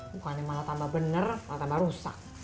bukannya malah tambah benar malah tambah rusak